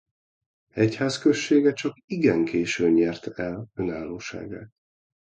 Egyházközsége csak igen későn nyerte el önállóságát.